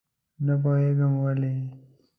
نه پوهېږم ولې.